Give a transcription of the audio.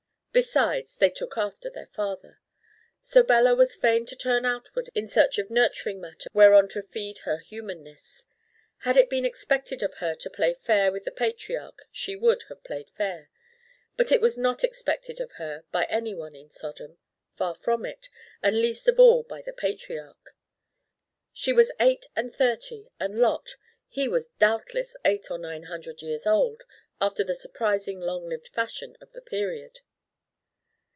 Besides, they 'took after' their father. So Bella was fain to turn outward in search of nurturing matter whereon to feed her humanness. Had it been expected of her to play fair with the patriarch she would have played fair. But it was not expected of her by anyone in Sodom far from it, and least of all by the patriarch. She was eight and thirty, and Lot he was doubtless eight or nine hundred years old, after the surprising long lived fashion of the period.